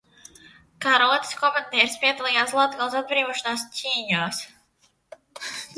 Kā rotas komandieris piedalījās Latgales atbrīvošanas cīņās.